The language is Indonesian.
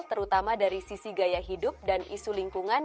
terutama dari sisi gaya hidup dan isu lingkungan